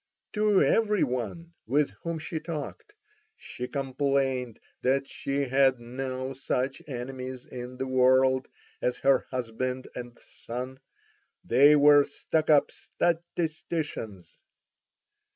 To every one, with whom she talked, she complained that she had no such enemies in the world as her husband and son, they were stuck up statisticians!